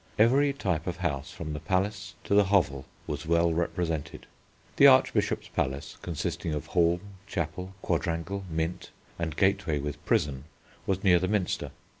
Every type of house from the palace to the hovel was well represented. The Archbishop's Palace, consisting of hall, chapel, quadrangle, mint, and gateway with prison, was near the Minster.